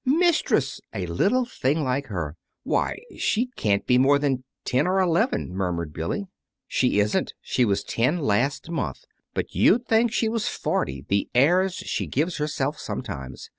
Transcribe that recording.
"Mistress! A little thing like her! Why, she can't be more than ten or eleven," murmured Billy. "She isn't. She was ten last month. But you'd think she was forty, the airs she gives herself, sometimes.